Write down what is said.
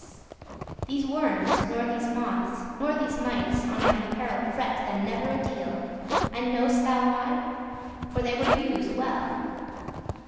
* *gowns These wormes, nor these mothes, nor these mites On my apparel frett* them never a deal *fed whit And know'st thou why? for they were used* well.